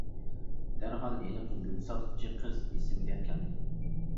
دەرھال ھېلىقى گۈل ساتقۇچى قىز ئېسىمگە كەلدى.